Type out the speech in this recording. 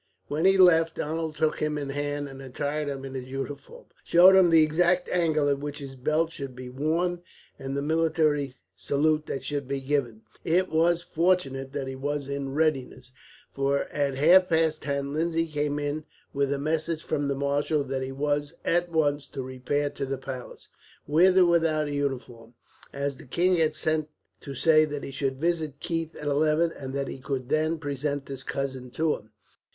When he left, Donald took him in hand, attired him in his uniform, showed him the exact angle at which his belt should be worn, and the military salute that should be given. It was fortunate that he was in readiness, for at half past ten Lindsay came in with a message from the marshal that he was, at once, to repair to the palace, with or without a uniform; as the king had sent to say that he should visit Keith at eleven, and that he could then present his cousin to him.